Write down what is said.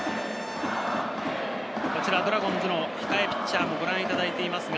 ドラゴンズの控えピッチャーをご覧いただいています。